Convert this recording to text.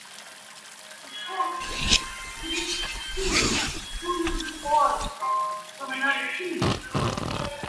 The coaches can each steal two losing artists from another team.